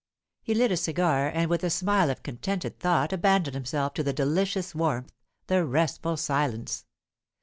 He lit a cigar, and with a smile of contented thought abandoned himself to the delicious warmth, the restful silence.